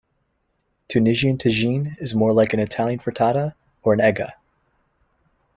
Tunisian tajine is more like an Italian frittata or an eggah.